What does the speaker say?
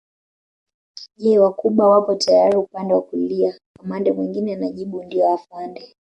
Je Wacuba wapo tayari upande wa kulia kamanda mwingine anajibu ndio afande